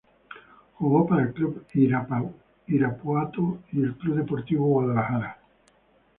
Jugó para el Club Irapuato y el Club Deportivo Guadalajara.